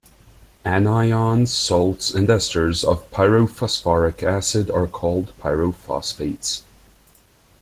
Anions, salts, and esters of pyrophosphoric acid are called pyrophosphates.